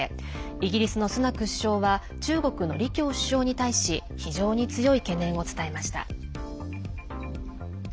イギリスのスナク首相は中国の李強首相に対し非常に強い懸念を伝えました。